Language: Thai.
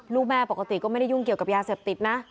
ลูกแม่ปกติก็ไม่ได้ยุ่งเกี่ยวกับยาเสพติดนะ